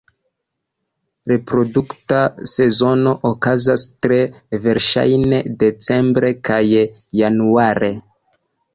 Reprodukta sezono okazas tre verŝajne decembre kaj januare.